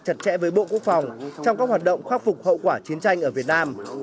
chặt chẽ với bộ quốc phòng trong các hoạt động khắc phục hậu quả chiến tranh ở việt nam